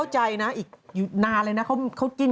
อืมอืมอืมอืมอืม